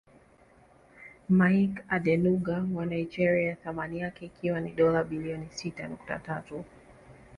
Mike Adenuga wa Nigeria thamani yake ikiwa ni dola bilioni sita nukta tatu